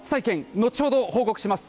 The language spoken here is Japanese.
後ほど報告します。